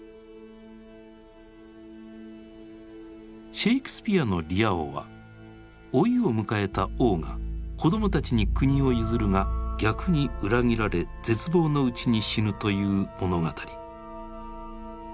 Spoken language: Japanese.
シェイクスピアの「リア王」は老いを迎えた王が子どもたちに国を譲るが逆に裏切られ絶望のうちに死ぬという物語。